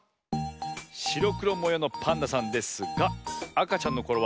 しろくろもようのパンダさんですがあかちゃんのころ